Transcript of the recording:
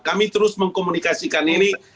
kami terus mengkomunikasikan ini